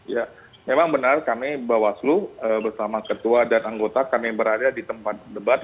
ya memang benar kami bawaslu bersama ketua dan anggota kami berada di tempat debat